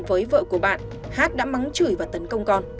với vợ của bạn hát đã mắng chửi và tấn công con